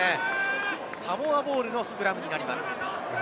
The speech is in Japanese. サモアボールのスクラムになります。